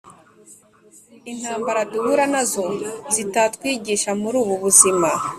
Intambara duhura nazo zitatwigisha muri ubu buzima